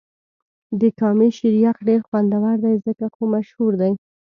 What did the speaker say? د کامی شیر یخ ډېر خوندور دی ځکه خو مشهور دې.